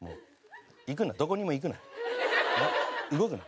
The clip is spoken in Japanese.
行くなどこにも行くな。